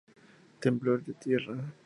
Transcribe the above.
Temblor de tierra.